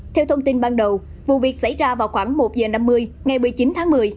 theo thông tin ban đầu vụ việc xảy ra vào khoảng một h năm mươi ngày một mươi chín tháng một mươi